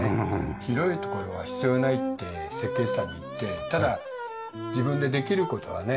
広い所は必要ないって設計士さんに言ってただ自分でできる事はね